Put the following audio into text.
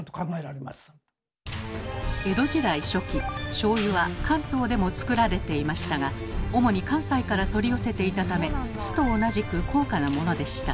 しょうゆは関東でも造られていましたが主に関西から取り寄せていたため酢と同じく高価なものでした。